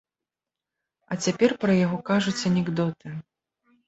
А цяпер пра яго кажуць анекдоты.